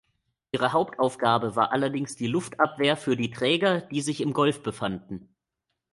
Ihre Hauptaufgabe war allerdings die Luftabwehr für die Träger, die sich im Golf befanden.